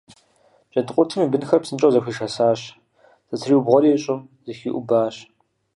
Джэдкъуртым и бынхэр псынщӀэу зэхуишэсащ, зэтриубгъуэри щӀым зэхиӀубгъуащ.